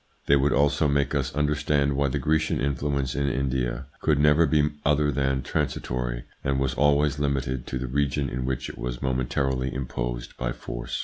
They would also make us understand why Grecian influence in India could never be other than transitory and was always limited to the region in which it was momentarily imposed by force.